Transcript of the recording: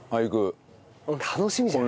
楽しみじゃない？